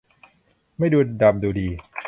ไม่ดูดำดูดี